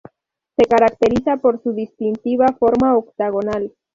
Se caracteriza por su distintiva forma octogonal.